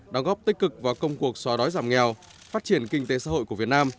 đóng góp tích cực vào công cuộc xóa đói giảm nghèo phát triển kinh tế xã hội của việt nam